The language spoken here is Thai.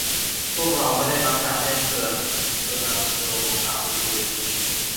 พวกเราไม่ได้รับการแจ้งเตือนทอร์นาโดทางวิทยุ